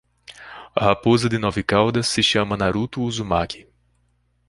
A raposa de nove caudas se chama Naruto Uzumaki